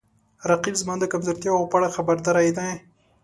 رقیب زما د کمزورتیاو په اړه خبرداری دی